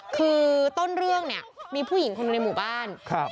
คือต้นเรื่องเนี่ยมีผู้หญิงคนในหมู่บ้าน